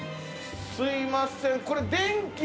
すみませんこれ。